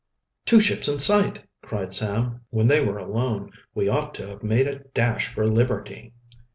"Two ships in sight!" cried Sam, when they were alone. "We ought to have made a dash for liberty."